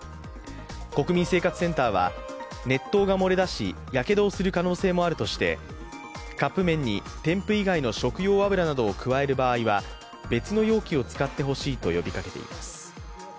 国民生活センターは熱湯が漏れ出しやけどをする可能性もあるとしてカップ麺に添付以外の食用油などを加える場合は別の容器を使ってほしいと呼びかけています。